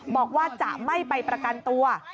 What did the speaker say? บอกว่าจะไม่ไปประกันตัว